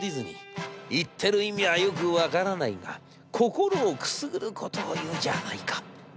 言ってる意味はよく分からないが心をくすぐることを言うじゃないか』。